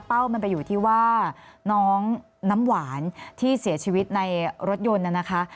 มันไปอยู่ที่ว่าน้องน้ำหวานที่เสียชีวิตในรถยนต์น่ะนะคะ